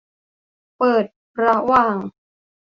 เปิดระหว่าง